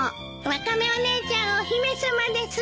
ワカメお姉ちゃんお姫様です！